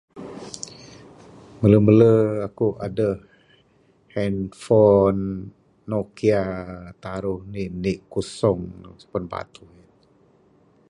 Mele mele aku adeh handphone nokia taruh indi indi kusong pan paguh ye .